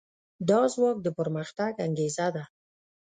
دا ځواک د پرمختګ انګېزه ده.